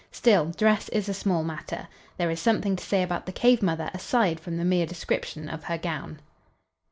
Still, dress is a small matter. There is something to say about the cave mother aside from the mere description of her gown.